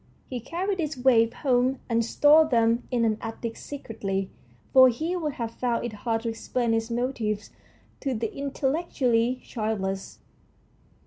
He carried these waifs home and stored them in an attic secretly, for he would have found it hard to explain his motives to the intel lectually childless.